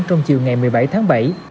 trong chiều ngày một mươi bảy tháng bảy